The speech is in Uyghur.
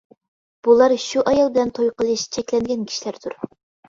بۇلار شۇ ئايال بىلەن توي قىلىش چەكلەنگەن كىشىلەردۇر.